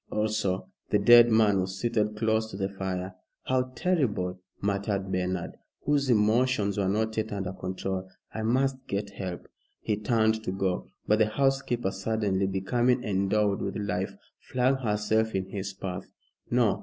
Also, the dead man was seated close to the fire. "How terrible!" muttered Bernard, whose emotions were not yet under control. "I must get help." He turned to go, but the housekeeper, suddenly becoming endowed with life, flung herself in his path. "No!"